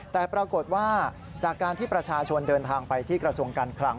แต่ปรากฏว่าจากการที่ประชาชนเดินทางไปที่กระทรวงการคลัง